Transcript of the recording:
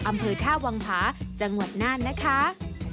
อำเภอท่าวังผาจังหวัดน่านนะคะ